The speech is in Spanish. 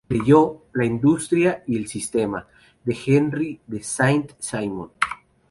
Leyó, "La Industria" y "El Sistema" de Henri de Saint-Simon.